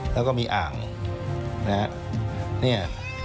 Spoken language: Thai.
แล้วก็มีอ่างนะฮะเนี่ย